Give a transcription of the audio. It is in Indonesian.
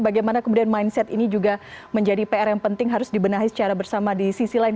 bagaimana kemudian mindset ini juga menjadi pr yang penting harus dibenahi secara bersama di sisi lain